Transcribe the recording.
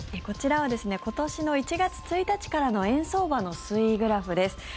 こちらは今年の１月１日からの円相場の推移グラフです。